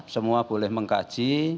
semua boleh mengkaji